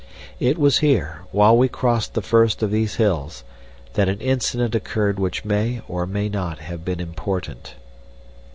It was here, while we crossed the first of these hills, that an incident occurred which may or may not have been important.